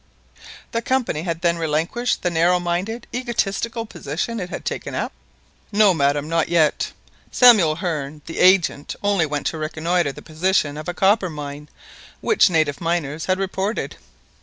"The Company had then relinquished the narrow minded egotistical position it had taken up?" "No, madam, not yet. Samuel Hearne, the agent, only went to reconnoitre the position of a copper mine which native miners had reported.